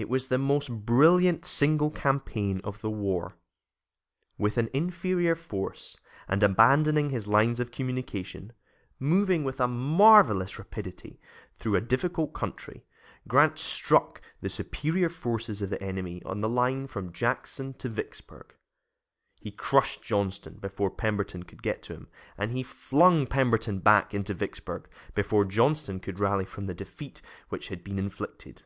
It was the most brilliant single campaign of the war. With an inferior force, and abandoning his lines of communication, moving with a marvelous rapidity through a difficult country, Grant struck the superior forces of the enemy on the line from Jackson to Vicksburg. He crushed Johnston before Pemberton could get to him, and he flung Pemberton back into Vicksburg before Johnston could rally from the defeat which had been inflicted.